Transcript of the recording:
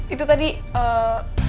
itu tadi eh